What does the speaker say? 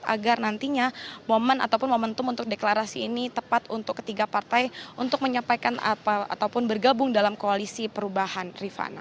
agar nantinya momen ataupun momentum untuk deklarasi ini tepat untuk ketiga partai untuk menyampaikan ataupun bergabung dalam koalisi perubahan rifana